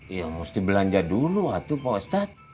ya mesti belanja dulu waktu pak ustadz